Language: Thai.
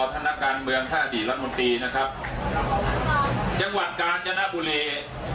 นักการเมืองถ้าอดีตรัฐมนตรีนะครับจังหวัดกาญจนบุรี